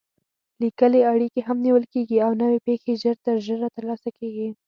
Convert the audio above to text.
لیکلې اړیکې هم نیول کېږي او نوې پېښې ژر تر ژره ترلاسه کېږي.